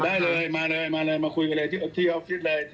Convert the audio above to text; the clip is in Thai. ได้เลยมาเลยมาเลยมาคุยกันเลยที่ออฟฟิศเลย